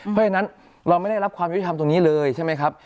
เพราะฉะนั้นเราไม่ได้รับความยุติธรรมตรงนี้เลยใช่ไหมครับ